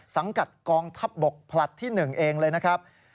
สังกัดกองทัพบกผลัดที่๑เองเลยนะครับ